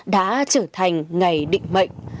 đã trở thành ngày định mệnh